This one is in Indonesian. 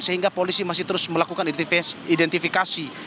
sehingga polisi masih terus melakukan identifikasi